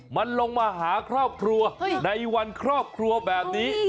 มันลงมาหาครอบครัวในวันครอบครัวแบบนี้